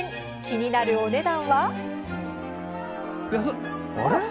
気になるお値段は。